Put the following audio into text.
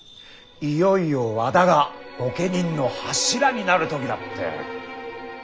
いよいよ和田が御家人の柱になる時だって。